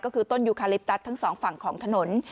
ก็คือต้นยูคาลิปตัสทั้งสองฝั่งของถนน